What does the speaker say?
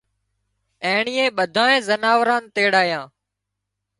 اينڻيئي ٻڌانئي زناوران نين تيڙايان